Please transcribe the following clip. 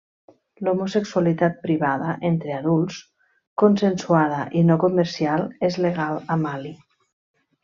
L'homosexualitat privada, entre adults, consensuada i no comercial és legal a Mali.